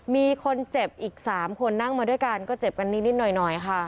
มีคนเจ็บอีก๓คนนั่งมาด้วยกันก็เจ็บกันนิดหน่อยค่ะ